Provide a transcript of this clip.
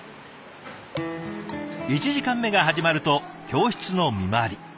１時間目が始まると教室の見回り。